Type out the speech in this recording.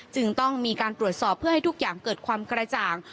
จึงต้องมีการตรวจสอบเพื่อให้ทุกอย่างเกิดความกระจ่าง